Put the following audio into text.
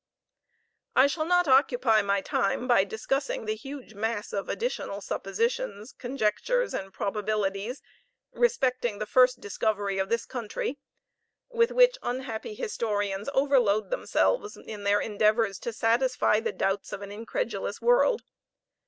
I shall not occupy my time by discussing the huge mass of additional suppositions, conjectures, and probabilities respecting the first discovery of this country, with which unhappy historians overload themselves in their endeavors to satisfy the doubts of an incredulous world.